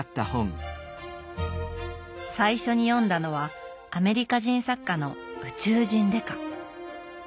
最初に読んだのはアメリカ人作家の「宇宙人デカ」。